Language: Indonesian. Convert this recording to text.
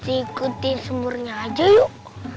ikutin sumurnya aja yuk